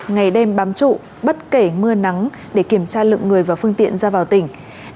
ngày đêm bám trụ bất kể mưa nắng để kiểm tra lượng người và phương tiện ra vào tỉnh